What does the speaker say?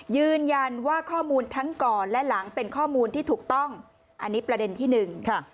ยืนยันว่าข้อมูลทั้งก่อนและหลังเป็นข้อมูลที่ถูกต้องอันนี้ประเด็นที่หนึ่งค่ะ